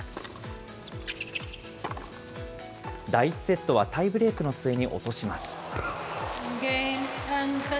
第１セットはタイブレークの末に落とします。